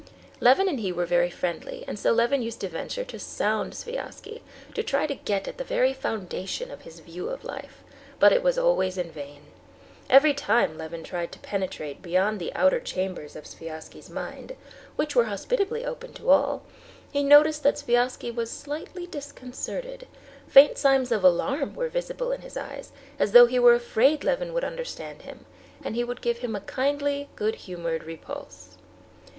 Levin and he were very friendly, and so Levin used to venture to sound Sviazhsky, to try to get at the very foundation of his view of life; but it was always in vain. Every time Levin tried to penetrate beyond the outer chambers of Sviazhsky's mind, which were hospitably open to all, he noticed that Sviazhsky was slightly disconcerted; faint signs of alarm were visible in his eyes, as though he were afraid Levin would understand him, and he would give him a kindly, good humored repulse.